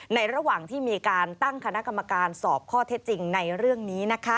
ระหว่างที่มีการตั้งคณะกรรมการสอบข้อเท็จจริงในเรื่องนี้